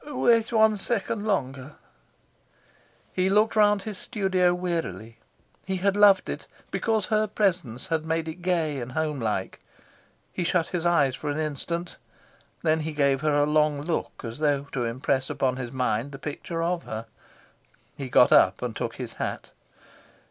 "Wait one second longer." He looked round his studio wearily; he had loved it because her presence had made it gay and homelike; he shut his eyes for an instant; then he gave her a long look as though to impress on his mind the picture of her. He got up and took his hat.